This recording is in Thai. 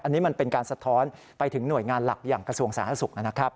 อันนี้มันเป็นการสะท้อนไปถึงหน่วยงานหลักอย่างกระทรวงสาธารณสุขนะครับ